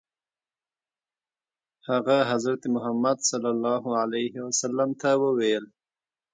هغه حضرت محمد صلی الله علیه وسلم ته وویل.